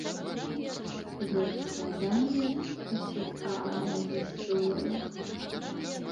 Гэта складаная і цікавая гісторыя.